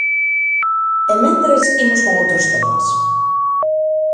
E mentres imos con outros temas...